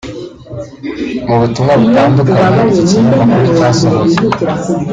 Mu butumwa butandukanye iki kinyamakuru cyasohoye